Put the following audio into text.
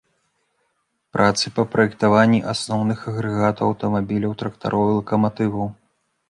Працы па праектаванні асноўных агрэгатаў аўтамабіляў, трактароў і лакаматываў.